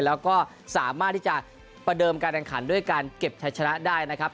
แล้วก็สามารถที่จะประเดิมการแข่งขันด้วยการเก็บใช้ชนะได้นะครับ